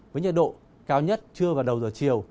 với nhiệt độ cao nhất trưa và đầu giờ chiều